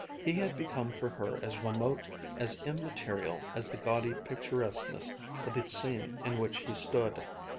He had become for her as remote, as immaterial as the gaudy picturesqueness of the scene in which he stood.